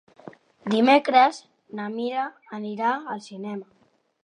Dimecres na Mira anirà al cinema.